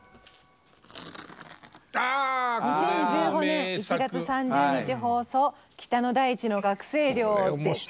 ２０１５年１月３０日放送「北の大地の学生寮」です。